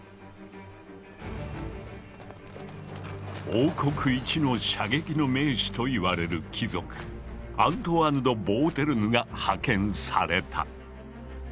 王国一の射撃の名手と言われる貴族アントワーヌ・ド・ボーテルヌが派遣された。